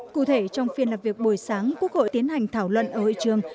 cụ thể trong phiên lập việc buổi sáng quốc hội tiến hành thảo luận ở hội trường